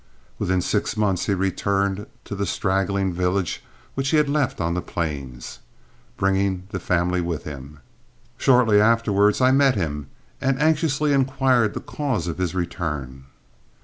Within six months he returned to the straggling village which he had left on the plains, bringing the family with him. Shortly afterwards I met him, and anxiously inquired the cause of his return.